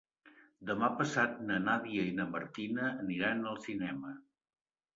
Demà passat na Nàdia i na Martina aniran al cinema.